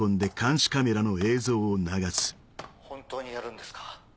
本当にやるんですか？